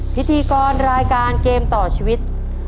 พิธีกรรายการเกมต่อชีวิต